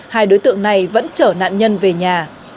hai đối tượng này vẫn chở nạn nhân về nhà